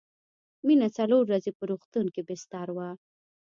مينه څلور ورځې په روغتون کې بستر وه